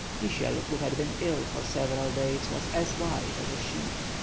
Kisiel who had been ill for several days, was as white as a sheet.